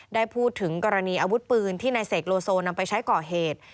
ได้พูดถึงกรณีอาวุธปืนที่นายเสกโลโซนำไปใช้ก่อเหตุ